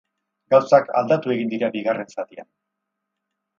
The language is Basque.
Gauzak aldatu egin dira bigarren zatian.